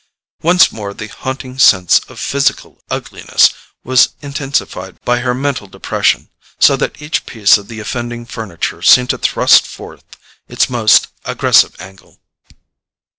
Once more the haunting sense of physical ugliness was intensified by her mental depression, so that each piece of the offending furniture seemed to thrust forth its most aggressive angle.